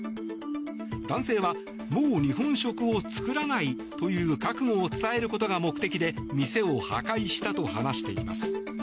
男性は、もう日本食を作らないという覚悟を伝えることが目的で店を破壊したと話しています。